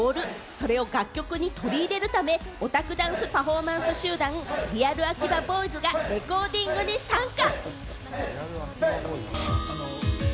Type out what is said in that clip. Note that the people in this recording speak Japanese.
それを楽曲に取り入れるため、オタクダンスパフォーマンス集団・ＲＥＡＬＡＫＩＢＡＢＯＹＺがレコーディングに参加。